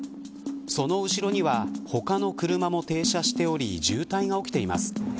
その後ろには、他の車も停車しており渋滞が起きています。